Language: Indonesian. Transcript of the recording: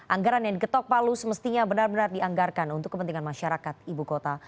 anggaran yang diketok palu semestinya benar benar dianggarkan untuk kepentingan masyarakat ibu kota